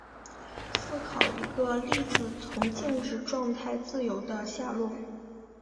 思考一个粒子从静止状态自由地下落。